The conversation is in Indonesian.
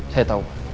saya tau pak